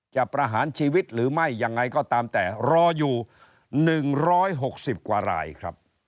ประหารชีวิตหรือไม่ยังไงก็ตามแต่รออยู่๑๖๐กว่ารายครับ